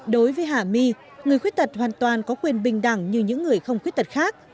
đối với hà my người khuyết tật hoàn toàn có quyền bình đẳng như những người không khuyết tật khác